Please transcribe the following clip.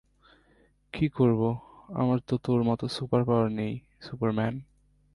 কী করবো, আমার তো তোর মতো সুপারপাওয়ার নেই, সুপারম্যান।